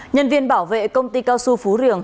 nhân viên bảo vệ công ty cao su phú riềng